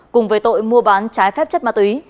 cùng với tội mua bán trái phép chất ma túy